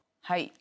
はい。